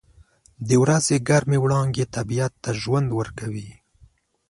• د ورځې ګرمې وړانګې طبیعت ته ژوند ورکوي.